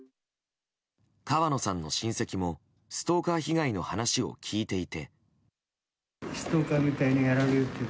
川野さんの親戚もストーカー被害の話を聞いていて。